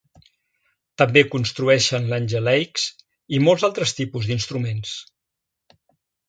També construeixen langeleiks i molts altres tipus d'instruments.